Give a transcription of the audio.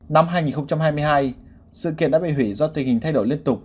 năm hai nghìn hai mươi hai sự kiện đã bị hủy do tình hình thay đổi liên tục